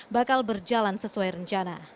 bakal berjalan sesuai rencana